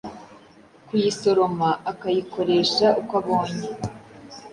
kuyisoroma akayikoresha uko abonye,